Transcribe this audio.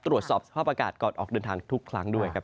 ตรวจสอบสภาพอากาศก่อนออกเดินทางทุกครั้งด้วยครับ